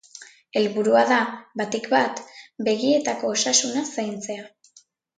Helburua da, batik bat, begietako osasuna zaintzea.